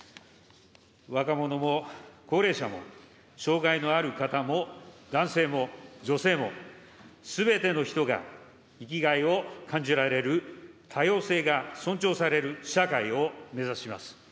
若者も高齢者も、障害のある方も男性も女性も、すべての人が生きがいを感じられる多様性が尊重される社会を目指します。